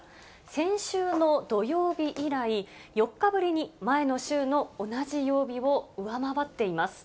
先週の土曜日以来、４日ぶりに前の週の同じ曜日を上回っています。